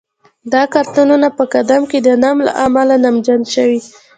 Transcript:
دا کارتنونه په ګدام کې د نم له امله نمجن شوي.